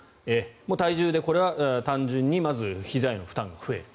体重で、これは単純にまず、ひざへの負担が増える。